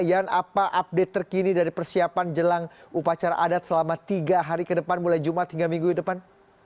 yan apa update terkini dari persiapan jelang upacara adat selama tiga hari ke depan mulai jumat hingga minggu depan